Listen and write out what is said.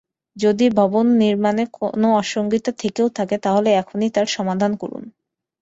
যদি ভবন নির্মাণে কোনো অসংগতি থেকেও থাকে, তাহলে এখনই তার সমাধান করুন।